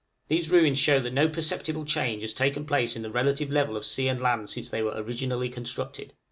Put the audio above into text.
These ruins show that no perceptible change has taken place in the relative level of sea and land since they were originally constructed.